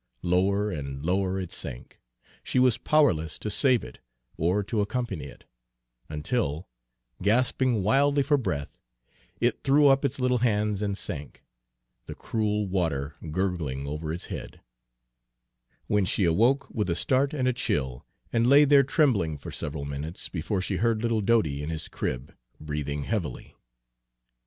Lower and lower it sank, she was powerless to save it or to accompany it, until, gasping wildly for breath, it threw up its little hands and sank, the cruel water gurgling over its head, when she awoke with a start and a chill, and lay there trembling for several minutes before she heard little Dodie in his crib, breathing heavily.